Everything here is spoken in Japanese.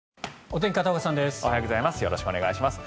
おはようございます。